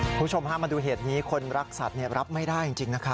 คุณผู้ชมห้ามมาดูเหตุนี้คนรักสัตว์เนี่ยรับไม่ได้จริงจริงนะครับ